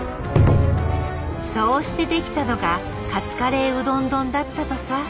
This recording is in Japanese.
そうしてできたのがカツカレーうどん丼だったとさ。